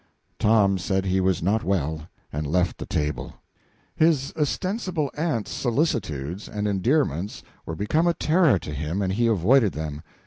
Tom said he was not well, and left the table. His ostensible "aunt's" solicitudes and endearments were become a terror to him, and he avoided them.